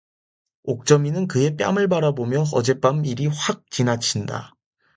옥점이는 그의 뺨을 바라보며 어젯밤 일이 휙 지나친다.